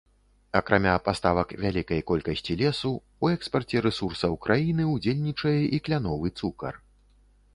Акрамя паставак вялікай колкасці лесу, у экспарце рэсурсаў краіны ўдзельнічае і кляновы цукар.